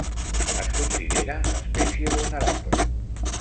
Es considera espècie vulnerable.